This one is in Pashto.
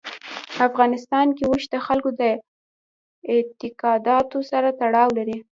په افغانستان کې اوښ د خلکو د اعتقاداتو سره تړاو لري.